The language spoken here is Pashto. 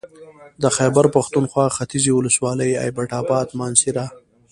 د خېبر پښتونخوا ختيځې ولسوالۍ اېبټ اباد مانسهره